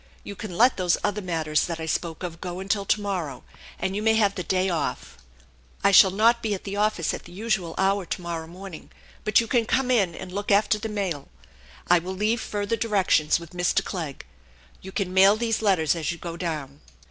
You can let those other matters that I spoke of go until to morrow, and you may have the day oft. I shall 8 THE ENCHANTED BARN not be at the office at the usual hour to morrow morning, bat you can come in and look after the mail. I will leave further directions with Mr. Clegg. You can mail these letters as you go down."